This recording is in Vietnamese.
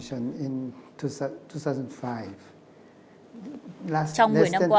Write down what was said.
trong một mươi năm qua